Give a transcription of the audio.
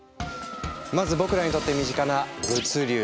まず僕らにとって身近な物流！